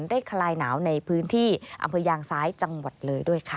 คลายหนาวในพื้นที่อำเภอยางซ้ายจังหวัดเลยด้วยค่ะ